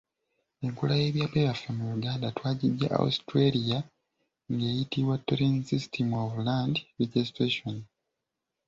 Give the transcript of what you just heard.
Enkola y’ebyapa byaffe mu Uganda twagiggya Australia nga eyitibwa "Torrens system of land registration".